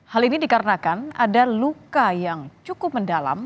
hal ini dikarenakan ada luka yang cukup mendalam